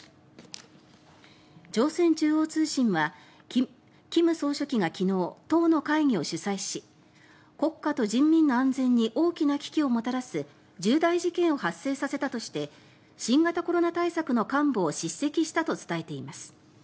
朝鮮中央通信は金総書記が昨日党の会議を主宰し国家と人民の安全に大きな危機をもたらす重大事件を発生させたとして新型コロナ対策の幹部を叱責したと伝えています。